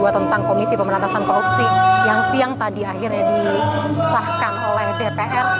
tentang komisi pemberantasan korupsi yang siang tadi akhirnya disahkan oleh dpr